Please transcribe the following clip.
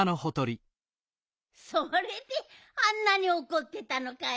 それであんなにおこってたのかい。